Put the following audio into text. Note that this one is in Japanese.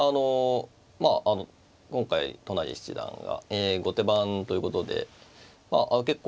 あの今回都成七段が後手番ということで結構ですね